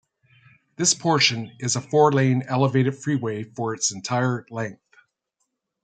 This portion is a four-lane, elevated freeway for its entire length.